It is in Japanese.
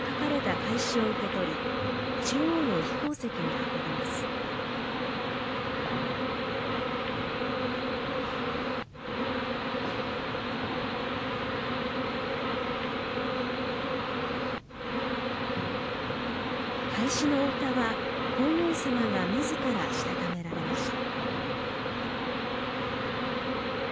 懐紙のお歌は皇后さまがみずからしたためられました。